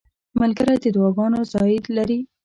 ملګری د دعاګانو ځای لري.